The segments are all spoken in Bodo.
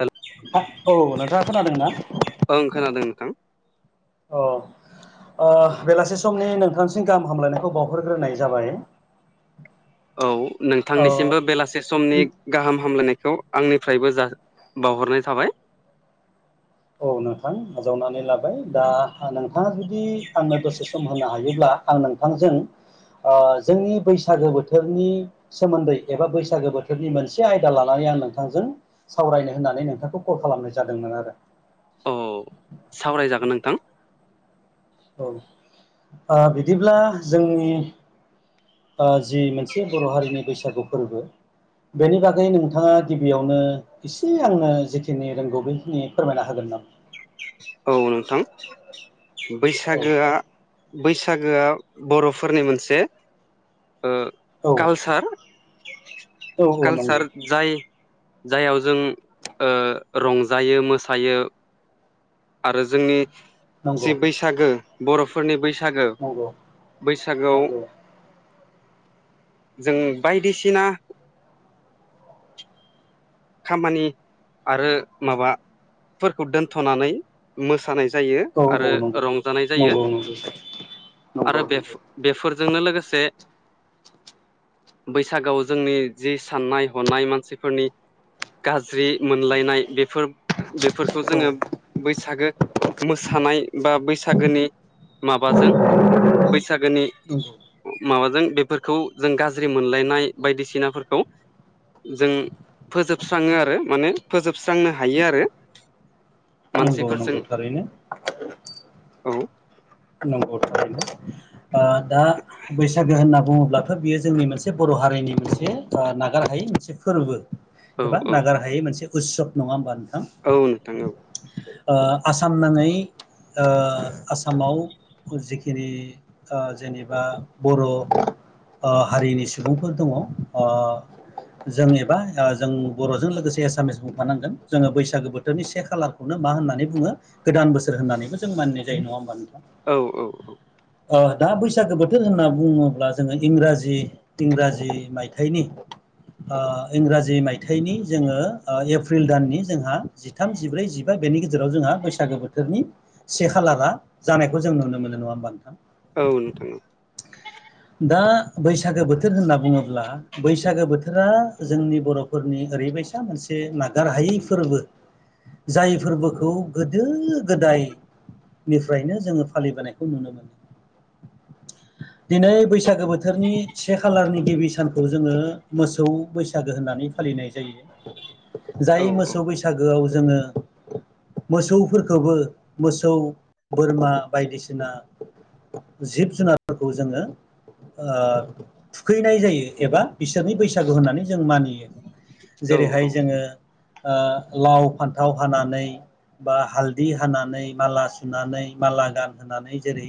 हेल' हो औ नोंथाङा खोनादों ना? ओं खोनादों नोंथां अ ओ बेलासि समनि नोंथांसिम गाहाम हामलायनायखौ बावहरग्रोनाय जाबाय। औ ओ नोंथांनिसिमबो बेलासे समनि गाहाम हामलायनाय खौ आंनिफ्रायबो जा बावहरनाय थाबाय। औ नोंथां आजावनानै लाबाय दा नोंथाङा जुदि आंनो दसे सम होनो हायोब्ला आं नोंथांजों ओ जोंनि बैसागो बोथोरनि सोमोन्दै एबा बैसागो बोथोरनि मोनसे आयदा लानानै आं नोंथांजों सावरायनो होननानै नोंथांखौ कल खालामनाय जादोंमोन आरो। औ सावरायजागोन नोंथां। औ ओ बिदिब्ला जोंनि ओ जि मोनसे बर' हारिनि बैसागु फोरबो बेनि बागै नोंथाङा गिबियावनो एसे आंनो जिखिनि रोंगौ बेखिनि फोरमायना होगोन? [unintelligible] औ नोंथां औ बैसागोआ बैस बैसागोआ बर'फोरनि मोनसे ओ औ कालसार औ औ नंगौ कालसार जाय जायाव जों ओ रंजायो, मोसायो। आरो जोंनि नंगौ जि बैसागो बर'फोरनि बैस सागो नंगौ बैसागोआव नंगौ जों बायदिसिना खामानि आरो माबाफोरखौ दोनथ'नानै मोसानाय जायो औ औ आरो नंगौ रंजानाय जायो नंगौ नंगौ नंगौ नंगौ आरो बेफो बेफोर जोंनो लोगोसे बैसागोआव जोंनि जि साननाय हनाय मानसिफोरनि गाज्रि मोनलायनाय बेफोर बेफोरखौ औ जोङो बैसागो मोसानाय बा बैसागोनि माबाजों बैसागोनि नंगौ माबाजों बेफोरखौ जों गाज्रि मोनलायनाय बायदिसिनाफोरखौ जों फोजोबस्राङो आरो माने फोजोबस्रांनो हायो आरो नंगौ मानसिफोरजों नंगौ थारैनो। औ नंगौ थारैनो ओ दा बैसागो होनना बुङोब्लाथ' बियो जोंनि मोनसे बर' हारि नि मोनसे ओ नागार हायै मोनसे फोरबो औ एबा औ नागार हायै मोनसे उत्सब नङा होमबा औ नोंथां औ। ओ आसाम नाङै ओ आसामाव जिखिनि ओ जेनेबा बर' ओ हारिनि सुबुंफोर दङ ओ जों एबा जों बर'जों लोगोसे एसामिस बुंफानांगोन जोङो बैसागो बोथोरनि से खालारखौनो मा होननानै बुङो गोदान बोसोर होननानैबो जों मानिनाय जायो नङा होमबा नोंथां? औ औ औ। ओ दा बैसागो बोथोर होनना बुङोब्ला जोङो इंराजि इंराजि मायथाइनि ओ इंराजि मायथाइनि जोङो एप्रिल दाननि जोंहा जिथाम जिब्रै जिबा बे बेनि गेजेराव जोंहा बैसागो बोथोरनि से खालारा जानायखौ जों नुनो मोनो नङा होमबा नोंथां? औ नोंथां औ। दा बैसागो बोथोर होनना बुङोब्ला बैसागो बोथोरा जोंनि बर'फोरनि ओरैबायदि दा मोनसे नागार हायै फोरबो जाय फोरबोखौ गोदो गोदायनिफ्रायनो जोङो फालिबोनायखौ नुनो मोनो दिनै बैसागो बोथोरनि से खालारनि गिबि सानखौ जोङो मोसौ बैसागो होननानै फालिनाय जायो औ जाय मोसौ बैसागोआव जोङो मोसौफोरखौबो मोसौ बोरमा बायदिसिना जिब जुनारफोरखौ जोङो ओ थुखैनाय जायो एबा बिसोरनि बैसागु होननानै जों मानियो औ जेरैहाय जोङो ओ लाव फान्थाव हानानै बा हालदि हानानै माला सुनानै माला गानहोनानै जेरै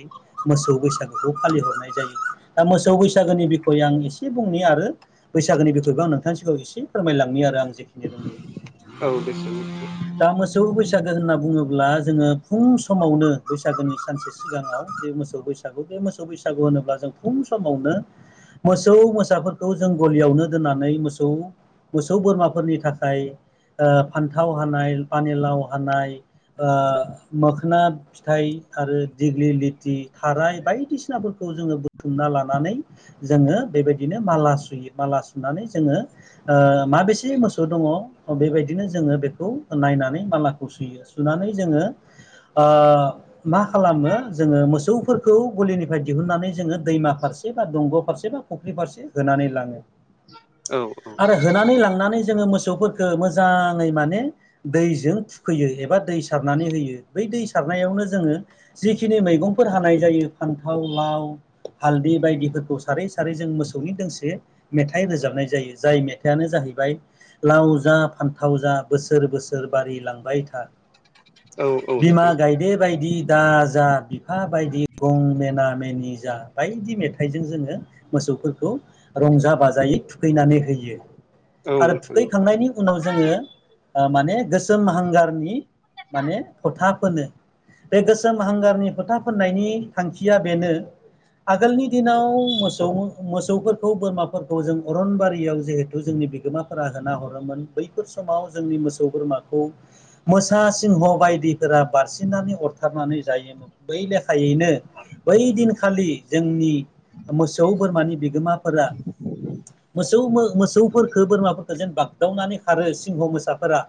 मोसौ बैसागोखौ फालिहरनाय जायो दा मोसौ बैसागोनि बिखय आं एसे बुंनि आरो बैसागोनि बिखयखौ आं नोंथांनि एसे फोरमायलांनो आरो आं जे औ दसो नोंथां [unintelligible] दा मोसौ बैसा सागो होनना बुङोब्ला जोङो फुं समावनो बैसागोनि सानसे सिगाङाव जे मोसौ बैसागु बे मोसौ बैसागु होनोब्ला जों फुं समावनो मोसौ मोसाफोरखौ जों गलियावनो दोननानै मोसौ मोसौ बोरमाफोरनि थाखाय ओ फान्थाव हानाय पानिलाव हानाय ओ मोखोना फिथाइ आरो दिग्लि लिथि खाराय बायदिसिनाफोरखौ जोङो बुथुमना लानानै जोङो बेबायदिनो माला सुयो माला सुनानै जोङो ओ माबेसे मोसौ दङ बेबायदि नो जोङो बेखौ नायनानै मालाखौ सुयो सुनानै जोङो ओ मा खालामो जोङो मोसौफोरखौ गलिनिफ्राय दिहुननानै जोङो दैमा फारसे बा दंग' फारसे बा फख्रि फारसे होनानै लाङो औ आरो होनानै लांनानै जोङो मोसौ सौफोरखौ मोजाङै माने दैजों थुखैयो एबा दै सारनानै होयो बै दै सारनायावनो जोङो जिखिनि मैगंफोर हानाय जायो फान्थाव लाव हालदै बायदिफोरखौ सारै सारै जों मोसौनि दोंसे मेथाइ रोजाबनाय जायो जाय मेथाइआनो जाहैबाय लाव जा फान्थाव जा बोसोर बोसोर बारि लांबाय था औ औ बिमा नोंथां। गायदे बायदि दाजा बिफा बायदि गं मेना मेनि जा बायदि मेथाइजों जोङो मोसौफोरखौ रंजा बाजायै थुखैनानै होयो औ आरो नोंथां औ थुखैखांनायनि उनाव जोङो ओ माने गोसोम हांगारनि माने फोथा फोनो बे गोसोम हांगारनि फोथा फोननायनि थांखिया बेनो आगोलनि दिनाव मोसौ मोसौफोरखौ बोरमाफोरखौ जों अरनबारियाव जिहेथु जोंनि बिगोमाफोरा होना हरोमोन बैफोर समाव जोंनि मोसौ बोरमाखौ मोसा सिंह बायदिफोरा बारसि नानै अरथारनानै जायोमोन बै लेखायैनो बै दिनखालि जोंनि मोसौ बोरमानि बिगोमाफोरा मोसौ मोसौखो बोरमाफोरखौ जेन बाग्दावनानै खारो सिंह मोसाफोरा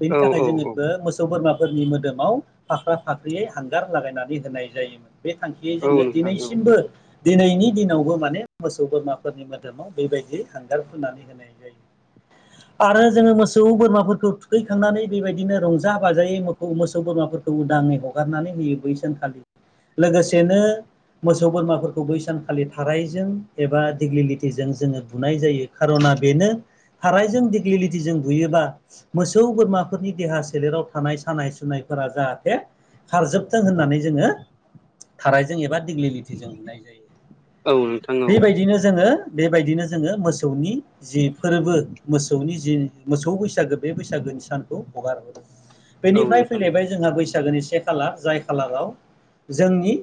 बेनि औ थाखाय औ जोङो बे मोसौ बोरमाफोरनि मोदोमाव फाख्रा फाख्रियै हांगार लागायनानै होनाय जायोमोन बे थांखियै औ जोङो नोंथां औ दिनैसिमबो दिनैनि दिनावबो माने मोसौ बोरमाफोरनि मोदोमाव बेबायदि हांगार फोनानै होनाय जायो आरो जोङो मोसौ बोरमाफोरखौ थुखैखांनानै बेबायदिनो रंजा बाजायै मोखौ मोसौ बोरमाफोरखौ उदाङै हगारनानै होयो बै सानखालि लोगोसेनो मोसौ बोरमाफोरखौ बै सानखालि थारायजों एबा दिग्लिलिटिजों जोङो बुनाय जायो खार'ना बेनो थारायजों दिग्लिलिटिजों बुयोबा मोसौ बोरमाफोरनि देहा सोलेराव थानाय सानाय सुनाय फोर जाहाथे खारजोबथों होननानै जोङो थारायजों एबा दिग्लिलिथिजों बुनाय औ नोंथां जायो औ बेबायदिनो जोङो बेबायदिनो जोङो मोसौनि जि फोरबो मोसौनि जि मोसौ बैसागो बे बैसागो सानखौ हगारो औ बेनिफ्राय नोंथां फैलायबाय जोंहा बैसागोनि से खालार जाय खालाराव जोंनि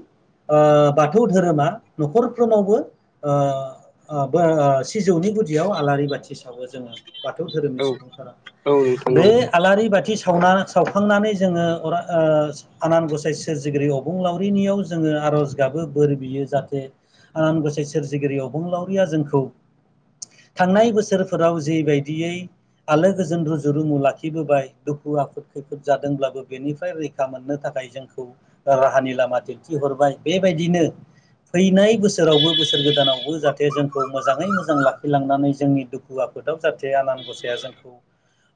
ओ बाथौ धोरोमा न'खरफ्रोमावबो ओ सिजौनि गुदियाव आलारि बाथि सावो जोङो बाथौ दोहोरोमनि औ सुबुंफोरा औ नोंथां बे औ आलारि बाथि सावनानै सावखांनानै जोङो अरा ओ आनान गसाइ सोरजिगिरि अबुंलावरिनियाव जोङो आर'ज गाबो बोर बियो जाहाथे आनाम गसाइ सोरजिगिरि अबुंलावरिया जोंखौ थांनाय बोसोरफोराव जेबायदियै आलो गोजोन रुजु रुमु लाखिबोबाय दुखु आफोद खैफोद जादोंब्लाबो बेनिफ्राय रैखा मोननो थाखाय जोंखौ राहानि लामा दिन्थिहरबाय बेबायदिनो फैनाय बोसोरावबो बोसोर गोदानावबो जाहाथे जोंखौ मोजाङै मोजां लाखिलांनानै जोंनि दुखुआ आफोदाव जाहाथे आनान गसाया जोंखौ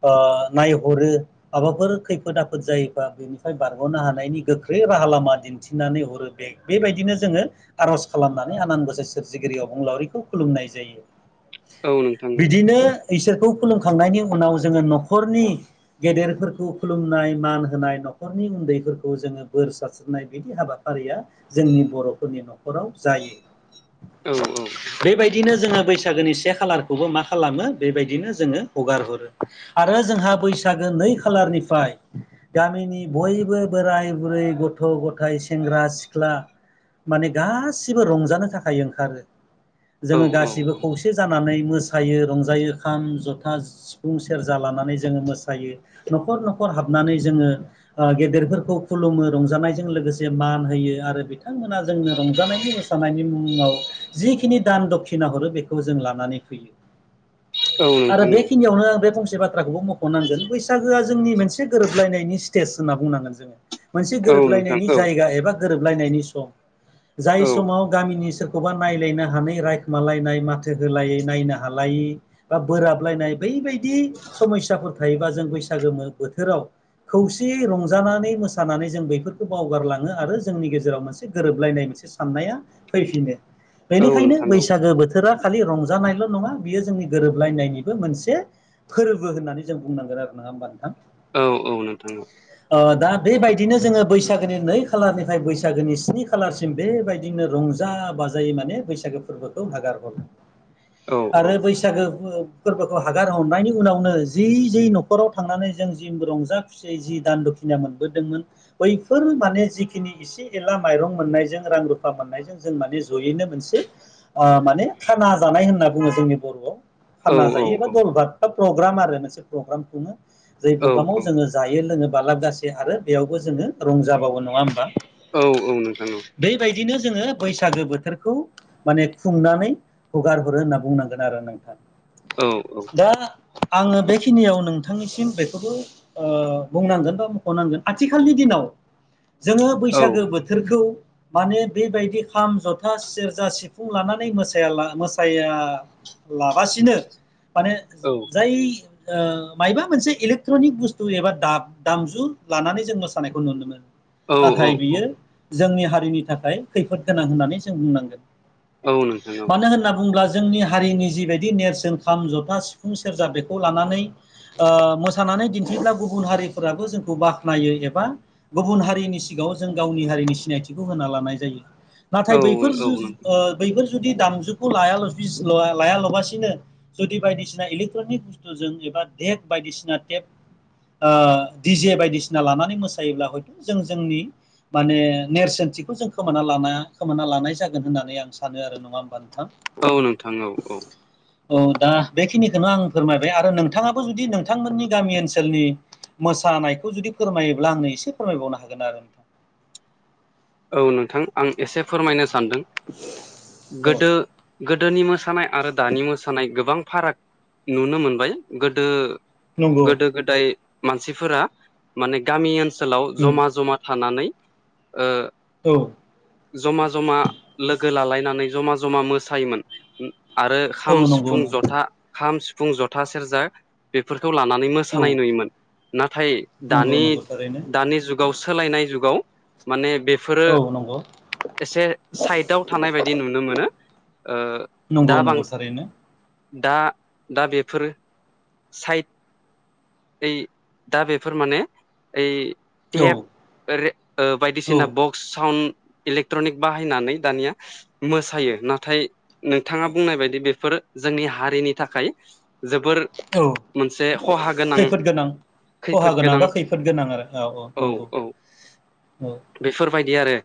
ओ नायहरो माबाफोर खैफोद आफोद जायो ओ बेनिफ्राय बारग'नो हानायनि गोख्रै राहा लामा दिन्थिनानै हरो बे बेबायदिनो जोङो खालामनानै आनान गसाय सोरजिगिरि अबुंलावरिखौ खुलुमनाय जायो औ नोंथां औ बिदिनो इसोरखौ खुलुमखांनायनि उनाव जोङो न'खरनि गेदेरफोरखौ खुलुमनाय मान होनाय न'खरनि उन्दैफोरखौ जोङो बोर सारस्रिनाय बिदि हाबाफारिया जोंनि बर'फोरनि न'खर राव जायो औ औ औ बेबायदिनो जोङो बैसागोनि से खालारखौबो मा खालामो बेबायदिनो जोङो हगार हरो आरो जोंहा बैसागो नै खालारनिफ्राय गामिनि बयबो बोराय बुरै गथ' गथाय सेंग्रा सिख्ला माने गासिबो रंजानो थाखाय ओंखारो औ जोङो गासिबो खौसे जानानै मोसा यो रंजायो खाम जथा सिफुं सेरजा लानानै जोङो मोसायो न'खर न'खर हाबनानै जोङो ओ गेदेरफोरखौ खुलुमो रंजानायजों लोगोसे मान होयो आरो बिथांमोना जोंनो रंजानायनि मोसानायनि मुङाव जिखिनि दान दक्खिना हरो बेखौ जों लानानै फैयो औ [inaudible] आरो नोंथां औ बेखिनियावनो आं बे फंसे बाथ्राखौबो मख'नांगोन बैसागोआ जोंनि मोनसे गोरोब गोरोबलायनायनि स्टेज होनना बुंनांगोन जोंङो मोनसे औ नोंथां गोरोबलायनायनि औ नोंथां औ नोंथां औ औ जायगा एबा गोरोबलायनायनि सम औ जाय औ नोंथां औ नोंथां औ समाव गामिनि सोर खौबा नायलायनो हानाय रायखुमालायनाय माथो होलायै नायनो हालायै बा बोराबलायनाय बैबायदि बिदि समयसाफोर थायोबा जों बैसागो बोथोराव खौसेयै रंजानानै मोसानानै जों बेैफोरखौ बावगारलांङो आरो जोंनि गेजेराव मोनसे गोरोबलायनाय मोनसे साननाया फैफिनो बेनिखायनो बैसागो बोथोरा खालि रंजानायल' नंङा बियो जोंनि गोरोबलायनायनिबो मोनसे फोरबो होननानै जों बुंनांगोन आरो ना नंङा होनबा नोंथां? औ औ नोंथां ओ दा बेबायदिनो जोंङो बैसागोनि नै खालारनिफ्राय बैसागोनि स्नि खालारसिम बेबायदिनो रं जा बाजायै माने बैसागो फोरबोखौ नागार हरो आरो बैसागो फो फोरबोखौ हगार हारनायनि उनावनो जि जि न'खराव थांनानै जों जि रंजा खुसियै जि दान्दखिनिया मोनबोदोंमोन बैफोर माने जिखिनि एसे एला माइरं मोननायजों रां रुफा मोननायजों जों माने जयैनो मोनसे ओ माने खाना जानाय होनना बुंङो जोंनि बर'आव खाना जायो एबा दलबार बा फ्रग्राम आरो मोनसे फ्रग्राम खुंङो जाय प्ग्रामाव जोङो लोंङो बालाब गासे आरो बेयावबो जोंङो रंजाबावो नंङा होमबा औ औ नोंथां औ बिदिनो जोंङो बैसागो बोथोरखौ माने खुंनानै हगारहरो होनना बुंनांगोन आरो नोंथां औ औ आंङो बेखिनियाव नोंथांनिसिम बेखौबो ओ बुंनांगोन बा मख'नांगोन आथिखालनि दिनाव जोंङो बैसागो बोथोरखौ माने बेबायदि खाम जथा सेरजा सिफुं लानानै मोसायाला मोसाया लाबासिनो माने जाय ओ मयबा मोनसे इलेक्ट्र'निक बुस्थु खौ एबा दाब दामजु लानानै जों मोसानायखौ नुनो मोनो नाथाय बियो जोंनि हारिनि थाखाय खैफोद गोनां होननानै जों बुंनांगोन। मानो होनना बुंङोब्ला जोंनि हारिनि जिबायदि नेरसोन खाम जथा सिफुं सेरजा बेखौ लानानै ओ मोसानानै दि ब्ला गुबुन हारिफोराबो जोंखौ बाखोनायो एबा गुबुन हारिनि सिगांङाव जों गावनि हारिनि सिनायथि खौ होना लानाय जायो। नाथाय बैफोर जो ओ बैफोर जुदि दामजुखौ लायालबिस लायालाबासिनो जुदि बायदिसिना इलेकट्र'निक बुसथु जों बा धेक बायदिसिना टेप ओ दि जे बायदिसिना लानानै मोसायोब्ला हयथ' जों जोंनि माने नेरसोनथिखौ जों खोमाना लाना खोमाना लानाय जागोन होननानै आं सानो आरो नंङा होमबा नोंथां? औ नोंथां औ औ औ दा बेखिनिखौनो आं फोरमायबाय आरो नोंथांङाबो जुदि नोंथांमोननि गामि ओनसोल ओनसोलनि मोसानायखौ जुदि फोरमायोब्ला आंनो एसे फोरमायबावनो हागोन आरो नोंथां। [unintelligible] औ नोंथां आं एसे फोरमायनो सानदों गोदो औ गोदोनि मोसानाय आरो दानि मोसानाय गोबां फाराग नुनो मोनबाय गोदो नंगौ गोदो गोदाय मानसिफोरा माने गामि ओनसोलाव उम जमा जमा थानानै ओ औ जमा जमा लोगो गो लालायनानै जमा जमा मोसायोमोन उम आरो खाम औ नंगौ सिफुं नंगौ जथा खाम सि फुं जथा सेरजा बेफोरखौ लानानै औ मोसानाय नुयोमोन नाथाय थाय नंगौ दानि नंगौ थारैनो दानि जुगाव सोलायनाय जुगाव माने बे बेफोरो औ नंगौ एसे साइदाव थानाय बायदि नुनो मोनो। ओ नंगौ दा नंगौ थारैनो बांसिन दा दा बेफोरो साइद ओइ दा बेफोर माने ओइ औ टेप ओ औ बायदिसिना बक्स साउन इलेक्ट्रनिक बाहायनानै दानिया मोसायो नाथाय नोंथाङा बुंनाय बायदि बेफोर जोंनि हारिनि थाखाय जोबोर औ मोनसे खहा गोनां खहा गोनां बा खैफोद गोनां आरो औ औ नंगौ। औ बेफोरबायदि आरो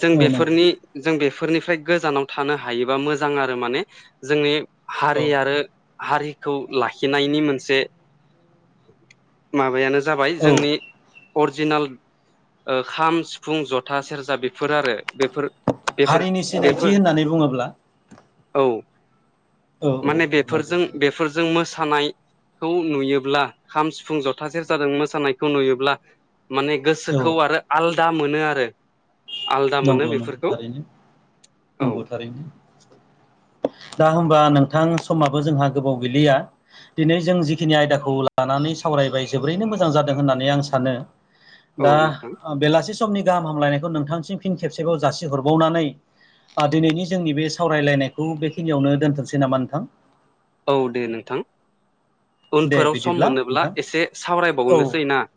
जों औ नंगौ बेफोरनि जों बेफोरनिफ्राय गोजानाव थानो हायोबा मोजां आरो माने जोंनि औ हारि आरो हारिखौ लाखिनायनि मोनसे माबायानो जाबाय औ जोंनि अरिजिनेल ओ खाम सिफुं जथा सेरजा बेफोर आरो बेफोर हारिनि सिनायथि बेफोर होननानै बुङोब्ला औ औ औ माने औ नंगौ बेफोरजों बेफोरजों मोसा मोसानायखौ नुयोब्ला खाम सिफुं जथासेेर जों मोसानायखौ नुयोब्ला माने औ गोसोखौ आरो आलदा मोनो आरो। आलदा मोनो नंगौ बेफोरखौ औ नंगौ थारैनो। दा होमबा नोंथां समाबो जोंहा गोबाव गैलिया। दिनै जों जिखिनि आयदाखौ लानानै सावरायबाय जोबोरैनो मोजां जादों होननानै आं सानो। औ दा नोंथां बेलासि समनि गाहाम हामलायनायखौ नोंथांसिम फिन खेबसेबाव जासि हरबावनानै दिनैनि जोंनि बे सावरायलायनायखौ बेखिनियावनो दोनथ'नोसै नामा नोंथां? औ दे नोंथां दे उनफोराव सम बिदिब्ला मोनोब्ला नोंथां एसे औ सावरायबावनोसै ना।